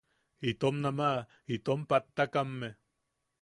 Itom nama itom pattakamme.